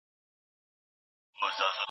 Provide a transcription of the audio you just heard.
تجاران مخکي پانګونه کړي وه.